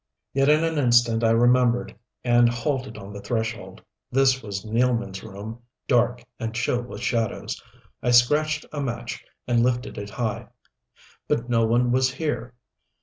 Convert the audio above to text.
Yet in an instant I remembered and halted on the threshold. This was Nealman's room, dark and chill with shadows. I scratched a match and lifted it high. But no one was here.